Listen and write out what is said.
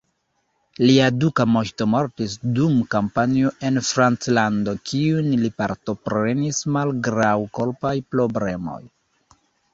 Lia duka moŝto mortis dum kampanjo en Franclando kiun li partoprenis malgraŭ korpaj problemoj.